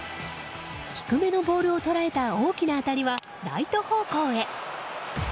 低めのボールを捉えた大きな当たりはライト方向へ。